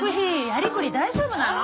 やりくり大丈夫なの？